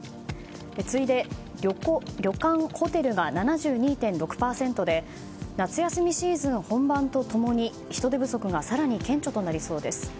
次いで旅館・ホテルが７２．６％で夏休みシーズン本番と共に人手不足が更に顕著となりそうです。